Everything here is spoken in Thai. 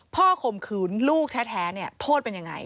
พ่อข่มขืนลูกแท้โทษเป็นอย่างไร